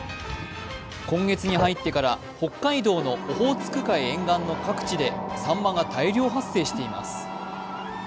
今月に入ってから北海道のオホーツク海沿岸各地でさんまが大量発生しています。